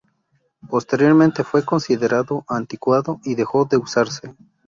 Posteriormente fue considerado anticuado y dejó de usarse.